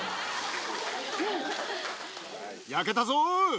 焼けたぞー。